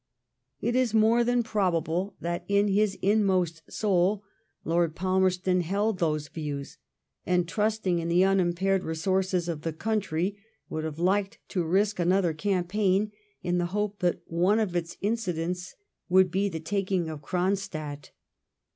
It is more than probable that, in his inmost soul, Lord Palmerston held those views, and trusting in the unimpaired re sources of the country, would have liked to risk another campaign in the hope that one of its incidents would be the taking of Gronstadt.